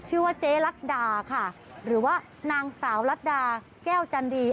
ชื่อว่าเจ๊รัฐดาค่ะหรือว่านางสาวรัฐดาแก้วจันดี